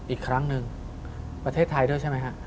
อีกครั้งหนึ่งประเทศไทยด้วยใช่ไหมฮะ